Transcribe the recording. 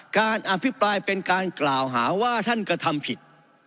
การอภิปรายเป็นการกล่าวหาว่าท่านกระทำผิด